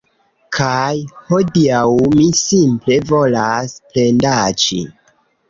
Kaj hodiaŭ mi simple volas plendaĉi